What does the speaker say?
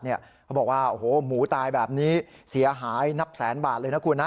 เขาบอกว่าโอ้โหหมูตายแบบนี้เสียหายนับแสนบาทเลยนะคุณนะ